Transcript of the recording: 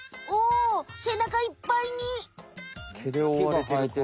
おおせなかいっぱいに。